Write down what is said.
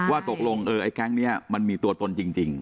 ว่าตกลงไอ้แก๊งนี้มันมีตัวตนจริง